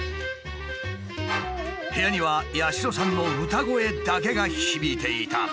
部屋には八代さんの歌声だけが響いていた。